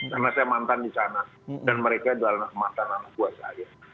karena saya mantan di sana dan mereka adalah anak anak mantan anak buah saya